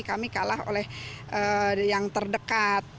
kami kalah oleh yang terdekat